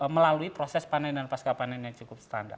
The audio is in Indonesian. melalui proses panen dan pasca panen yang cukup standar